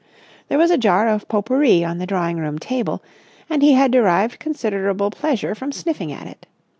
There was a jar of pot pourri on the drawing room table, and he had derived considerable pleasure from sniffing at it.